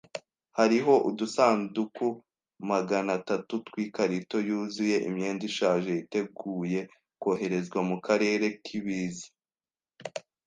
Hariho udusanduku magana atatu twikarito yuzuye imyenda ishaje yiteguye koherezwa mukarere k’ibiza.